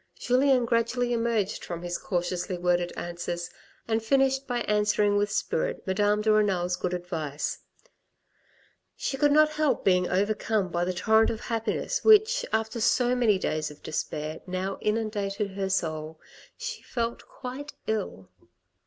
Julien gradually emerged from his cautiously worded answers, and finished by answering with spirit Madame de Renal's good advice. She could not help being overcome by the torrent of happiness which, after so many days of despair, now inundated her soul. She felt quite ill.